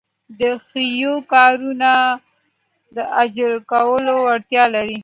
د حیوي کارونو د اجراکولو وړتیا لري.